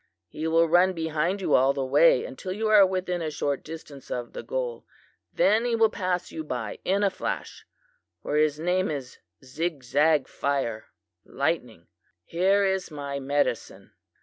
He will run behind you all the way until you are within a short distance of the goal. Then he will pass you by in a flash, for his name is ZigZag Fire! (lightning). Here is my medicine.